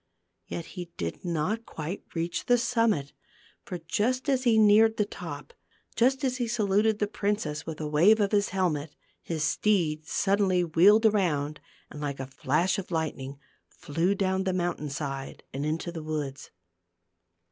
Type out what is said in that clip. Yet he did not quite reach the summit; for just as he neared the top, just as he saluted the princess with a wave of his helmet, his steed suddenly wheeled around and like a flash of lightning, flew down the mountain side and into the woods.